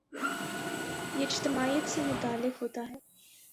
یہ اجتماعیت سے متعلق ہوتا ہے۔